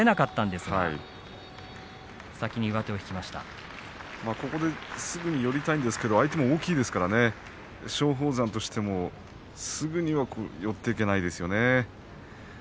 すぐに寄りたいんですが相手も大きいですからね松鳳山としてもすぐには寄っていけないですよね。